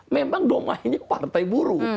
memang domainnya partai buruh